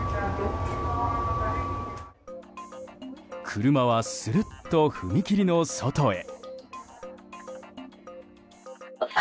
車は、するっと踏切の外へ。